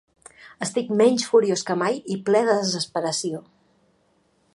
Estic menys furiós que mai i ple de desesperació.